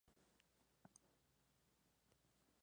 Seminario Permanente de Iconografía.